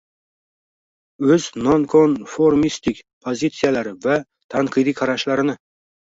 o‘z nonkonformistik pozitsiyalari va tanqidiy qarashlarini